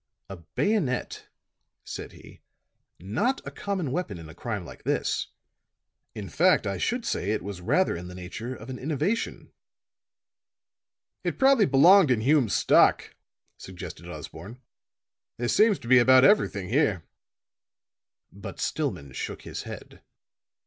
"A bayonet," said he. "Not a common weapon in a crime like this. In fact, I should say it was rather in the nature of an innovation." "It probably belonged in Hume's stock," suggested Osborne. "There seems to be about everything here." But Stillman shook his head.